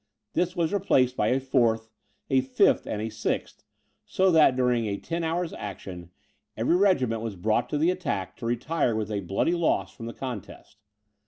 This was replaced by a fourth, a fifth, and a sixth; so that, during a ten hours' action, every regiment was brought to the attack to retire with bloody loss from the contest.